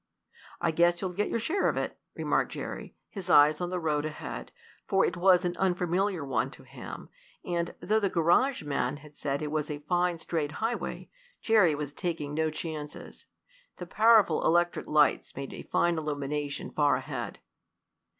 "I guess you'll get your share of it," remarked Jerry, his eyes on the road ahead, for it was an unfamiliar one to him, and, though the garage man had said it was a fine, straight highway, Jerry was taking no chances. The powerful electric lights made a fine illumination far ahead.